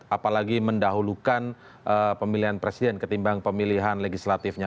apalagi mendahulukan pemilihan presiden ketimbang pemilihan legislatifnya